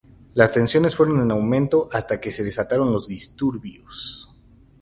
Las tensiones fueron en aumento hasta que se desataron los disturbios.